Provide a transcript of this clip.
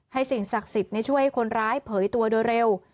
สิ่งศักดิ์สิทธิ์ช่วยให้คนร้ายเผยตัวโดยเร็ว